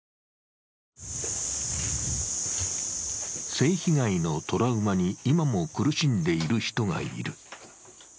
性被害のトラウマに今も苦しんでいる人がいる。